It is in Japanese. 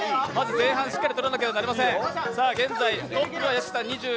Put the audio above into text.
前半しっかり取らなければなりません。